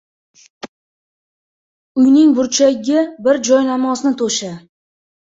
Uyning burchagiga bir joynamozni to‘sha.